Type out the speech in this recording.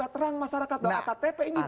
terang masyarakat dan aktp ini